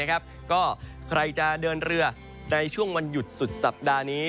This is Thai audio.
ก็ใครจะเดินเรือในช่วงวันหยุดสุดสัปดาห์นี้